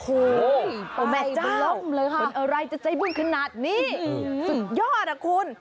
โอ้โหไอ้เจ้าเป็นอะไรจะใจบุญขนาดนี้สุดยอดอะคุณ